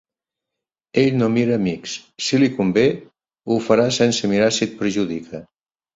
Ell no mira amics: si li convé, ho farà sense mirar si et perjudica.